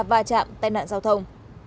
va chạm tai nạn giao thông